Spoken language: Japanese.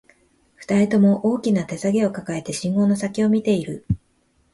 二人とも、大きな手提げを抱えて、信号の先を見ている